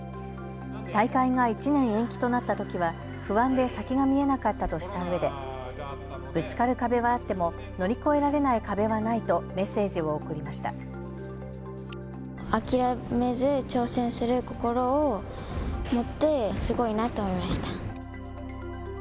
大会が１年延期となったときは不安で先が見えなかったとしたうえでぶつかる壁はあっても乗り越えられない壁はないとメッセージを送りました。